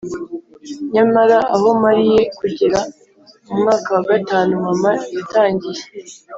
Nyamara aho mariye kugera mu mwaka wa gatanu, mama yatangiye